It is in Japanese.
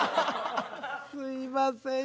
すいません